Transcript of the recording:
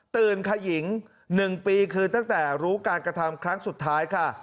ขยิง๑ปีคือตั้งแต่รู้การกระทำครั้งสุดท้ายค่ะ